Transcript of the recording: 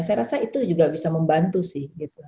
saya rasa itu juga bisa membantu sih